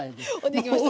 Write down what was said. できました。